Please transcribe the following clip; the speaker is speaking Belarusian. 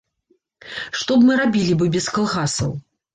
Што б мы рабілі бы без калгасаў?